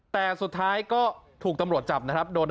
แต่สุดท้ายก็ถูกตำรวจจับนะครับ